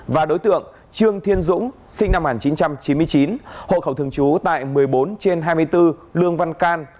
và đối tượng trương thiên dũng sinh năm một nghìn chín trăm chín mươi chín hộ khẩu thường trú tại một mươi bốn trên hai mươi bốn lương văn can